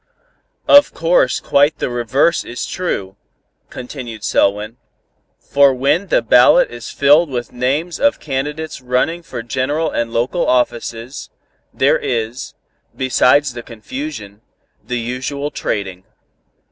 "Of course quite the reverse is true," continued Selwyn, "for when the ballot is filled with names of candidates running for general and local offices, there is, besides the confusion, the usual trading.